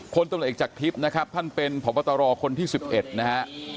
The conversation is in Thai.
คนตำรวจเอกจากทิพย์นะครับท่านเป็นพบตรคนที่๑๑นะฮะ